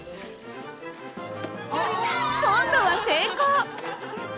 今度は成功！